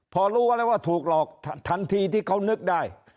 พอรู้แล้วว่าถูกหลอกทันทีที่เขานึกได้